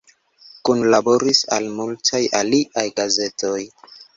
Kunlaboris al multaj aliaj gazetoj.